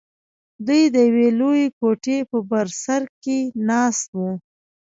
دوى د يوې لويې کوټې په بر سر کښې ناست وو.